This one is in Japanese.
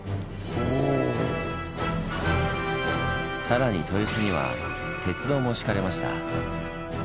更に豊洲には鉄道も敷かれました。